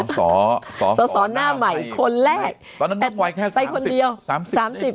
สอนสอนสอนสอนหน้าใหม่คนแรกตอนนั้นต้องไหวแค่สามสิบสามสิบ